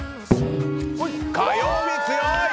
火曜日強い！